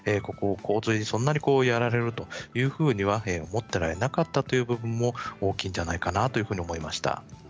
そんなにやられるというふうには思っていなかったという部分も大きかったのではないかなと思います。